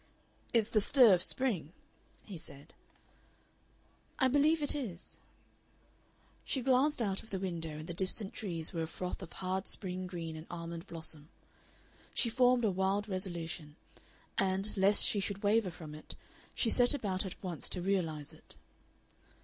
"It's the stir of spring," he said. "I believe it is." She glanced out of the window, and the distant trees were a froth of hard spring green and almond blossom. She formed a wild resolution, and, lest she should waver from it, she set about at once to realize it.